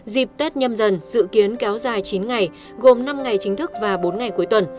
dịp tết nhâm dần dự kiến kéo dài chín ngày gồm năm ngày chính thức và bốn ngày cuối tuần